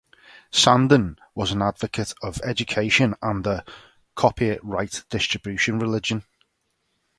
Sandin was an advocate of education and a "copy it right distribution religion".